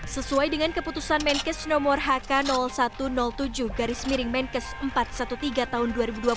sesuai dengan keputusan menkes nomor hk satu ratus tujuh garis miring menkes empat ratus tiga belas tahun dua ribu dua puluh